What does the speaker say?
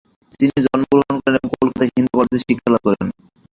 তিনি জন্মগ্রহণ করেন এবং কলকাতার হিন্দু কলেজে শিক্ষা লাভ করেন।